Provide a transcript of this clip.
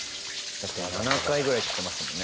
だって７回ぐらいって言ってましたもんね。